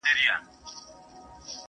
ډاکټره خاص ده ګنې وه ازله .